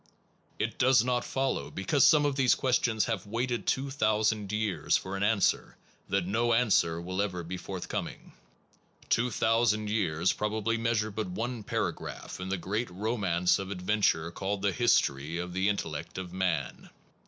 It does not fol low, because some of these questions have waited two thousand years for an answer, that no answer will ever be forthcoming. Two thousand years probably measure but one para graph in that great romance of adventure called the history of the intellect of man.